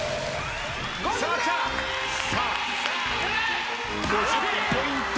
さあ５０ポイント